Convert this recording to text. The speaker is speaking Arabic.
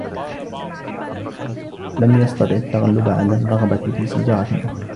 لم يستطع التغلب على الرغبة في سيجارةٍ أخرى.